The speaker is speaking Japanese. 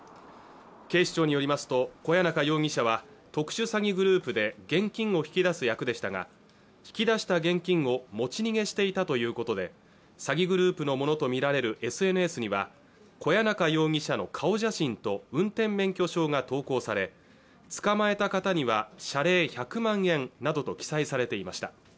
警視庁によりますと小谷中容疑者は特殊詐欺グループで現金を引き出す役でしたが引き出した現金を持ち逃げしていたということで詐欺グループのものとみられるＳＮＳには小谷中容疑者の顔写真と運転免許証が投稿され捕まえた方には謝礼１００万円などと記載されていました